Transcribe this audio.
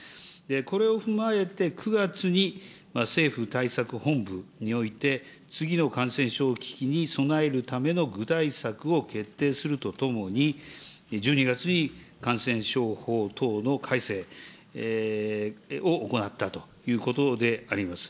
これを踏まえて、９月に政府対策本部において、次の感染症危機に備えるための具体策を決定するとともに、１２月に感染症法等の改正を行ったということであります。